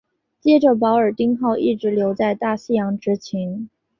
接着保尔丁号一直留在大西洋执勤。